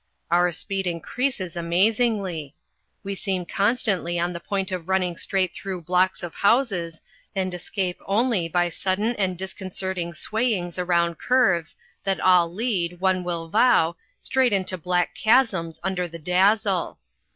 Our speed increases amazingly. We seem constantly on the point of running straight through blocks of houses, and escape only by sudden and disconcerting swayings around curves that all lead, one will vow, straight into black chasms under the dazzle.